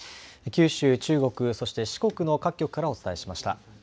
九州、中国、そして四国の各局からお伝えしました。